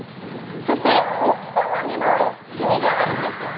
奥様にも趣味があるんですよね。